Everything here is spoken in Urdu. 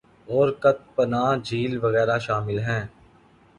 اور کت پناہ جھیل وغیرہ شامل ہیں